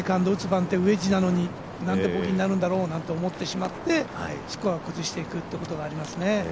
番手、ウェッジなのになんでボギーになるんだろう、なんて思ってしまってスコアを崩していくということがありますね。